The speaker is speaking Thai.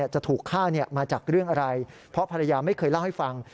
จะถูกฆ่ามาจากเรื่องอะไรเพราะภรรยาไม่เคยเล่าให้ฟัง